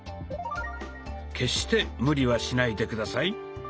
決して無理はしないで下さい。